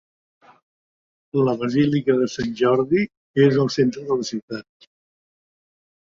La basílica de Sant Jordi és al centre de la ciutat.